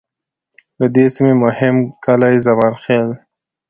د دې سیمې مهم کلي د زمان خیل،